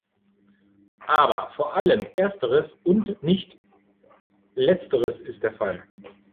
Aber vor allem Ersteres und nicht Letzteres ist der Fall.